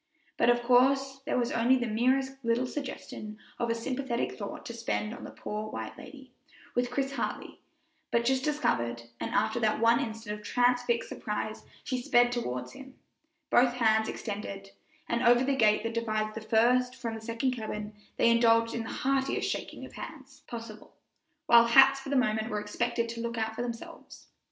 But of course there was only the merest little suggestion of a sympathetic thought to spend on the poor, white lady, with Chris Hartley but just discovered, and after that one instant of transfixed surprise she sped toward him, both hands extended; and over the gate that divides the first from the second cabin they indulged in the heartiest shaking of hands possible, while hats for the moment were expected to look out for themselves.